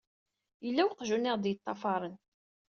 Yella weqjun i aɣ-d-yeṭṭafaren.